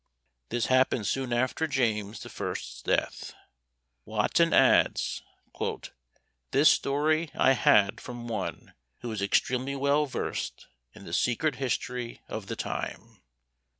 This happened soon after James the First's death. Wotton adds, "This story I had from one who was extremely well versed in the secret history of the time."